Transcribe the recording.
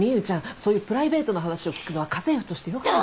そういうプライベートな話を聞くのは家政婦としてよくない。